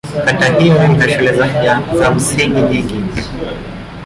Kata hiyo ina shule za msingi nyingi.